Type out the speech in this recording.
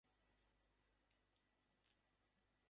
বড় ঘরের পাশ দিয়া পিছনের মাঠে তাকাইলে অনেক দূরে কুয়াশা দেখা যায়।